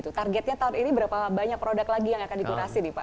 targetnya tahun ini berapa banyak produk lagi yang akan ditunasi nih pak